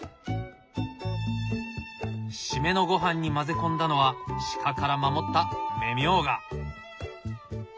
締めのごはんに混ぜ込んだのは鹿から守った芽ミョウガ！